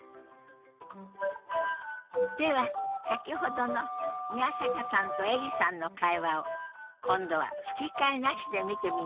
では先ほどの宮坂さんとエリさんの会話を今度は吹き替えなしで見てみましょう。